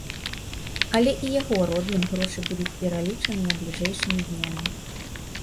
Але і яго родным грошы будуць пералічаныя бліжэйшымі днямі.